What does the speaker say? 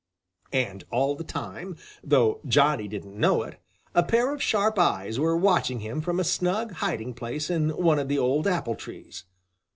And all the time, though Johnny didn't know it, a pair of sharp eyes were watching him from a snug hiding place in one of the old apple trees.